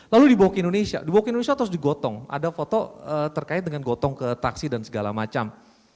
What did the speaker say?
lalu dibawa ke indonesia dibawa ke indonesia terus digotong ada foto terkait dengan gotong ke taksi dan segala macam